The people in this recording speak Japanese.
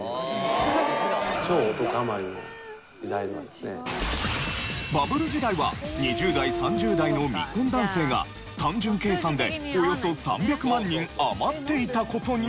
実はバブル時代は２０代３０代の未婚男性が単純計算でおよそ３００万人余っていた事になる。